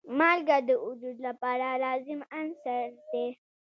مالګه د وجود لپاره لازم عنصر دی.